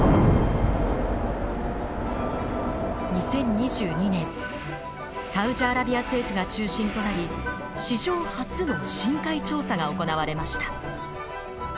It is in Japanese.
２０２２年サウジアラビア政府が中心となり史上初の深海調査が行われました。